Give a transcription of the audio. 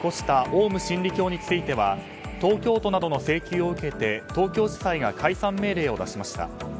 オウム真理教については東京都などの請求を受けて東京地裁が解散命令を出しました。